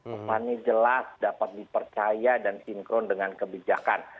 pesannya jelas dapat dipercaya dan sinkron dengan kebijakan